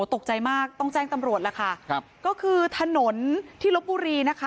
ตกใจมากต้องแจ้งตำรวจล่ะค่ะครับก็คือถนนที่ลบบุรีนะคะ